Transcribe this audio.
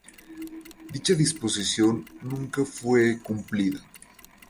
Dicha disposición nunca fue cumplida.